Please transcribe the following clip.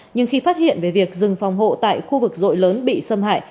nhưng khi phát hiện về việc rừng phòng hộ tại khu vực rội lớn bị xâm hại